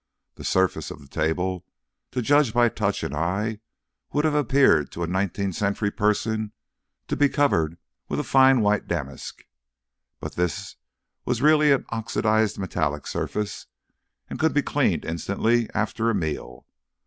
The surface of the table, to judge by touch and eye, would have appeared to a nineteenth century person to be covered with fine white damask, but this was really an oxidised metallic surface, and could be cleaned instantly after a meal.